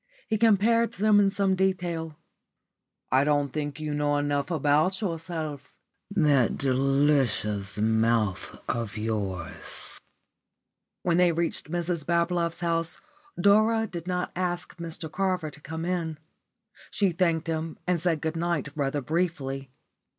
He compared them in some detail. "I don't think you know enough about yourself," he said. "That delicious mouth of yours!" When they reached Mrs Bablove's house Dora did not ask Mr Carver to come in. She thanked him and said good night rather briefly.